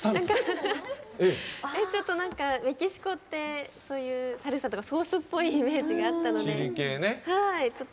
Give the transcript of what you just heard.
ちょっとなんかメキシコって、そういうソースっぽいイメージがあったので。